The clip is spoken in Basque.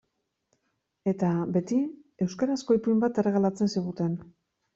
Eta, beti, euskarazko ipuin bat erregalatzen ziguten.